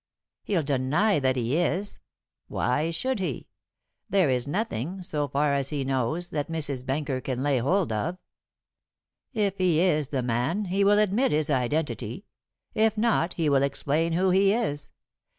"He'll deny that he is." "Why should he? There is nothing, so far as he knows, that Mrs. Benker can lay hold of. If he is the man he will admit his identity, if not, he will explain who he is.